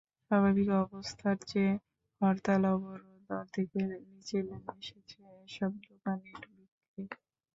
স্বাভাবিক অবস্থার চেয়ে হরতাল-অবরোধে অর্ধেকের নিচে নেমে এসেছে এসব দোকানির বিক্রি।